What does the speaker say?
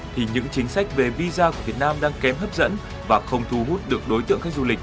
thì những chính sách về visa của việt nam đang kém hấp dẫn và không thu hút được đối tượng khách du lịch